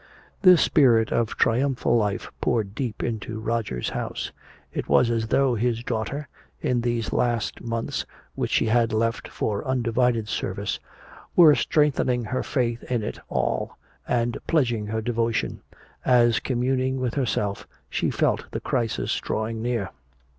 This spirit of triumphal life poured deep into Roger's house. It was as though his daughter, in these last months which she had left for undivided service, were strengthening her faith in it all and pledging her devotion as communing with herself she felt the crisis drawing near.